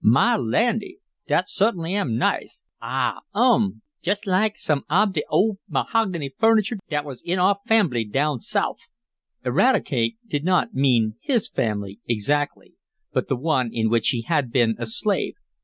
"Mah Landy! Dat suttinly am nice; Ah! Um! Jest laik some ob de old mahogany furniture dat was in our fambily down Souf." Eradicate did not mean his family, exactly, but the one in which he had been a slave.